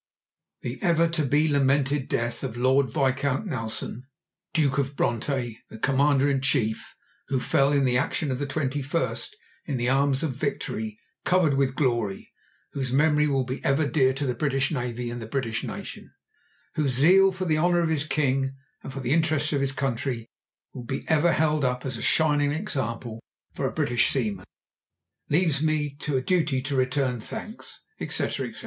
— "The ever to be lamented death of Lord Viscount Nelson, Duke of Bronte, the Commander in Chief, who fell in the action of the 21st, in the arms of Victory, covered with glory, whose memory will be ever dear to the British Navy and the British Nation; whose zeal for the honour of his king and for the interests of his country will be ever held up as a shining example for a British seaman—leaves to me a duty to return thanks, etc., etc."